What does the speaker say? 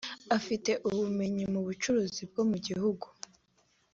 afite ubumenyi mu bucuruzi bwo mu gihugu